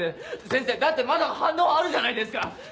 ⁉先生だってまだ反応あるじゃないですか！